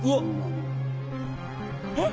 えっ？